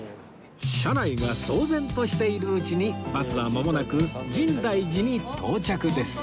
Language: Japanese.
車内が騒然としているうちにバスはまもなく深大寺に到着です